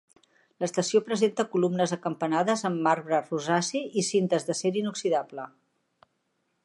L'estació presenta columnes acampanades amb marbre rosaci i cintes d'acer inoxidable.